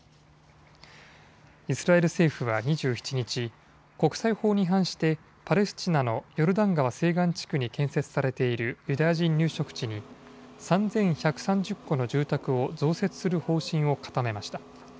イスラエル政府は２７日、国際法に違反してパレスチナのヨルダン川西岸地区に建設されているユダヤ人入植地に３１３０戸の住宅を増設する方針を固めました。